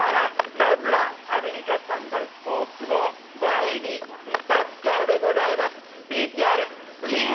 まずは、アメリカ３大スポーツの前にサッカーでございます。